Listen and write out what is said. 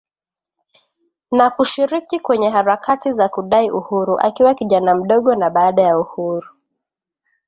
na kushiriki kwenye harakati za kudai uhuru akiwa kijana mdogo na baada ya Uhuru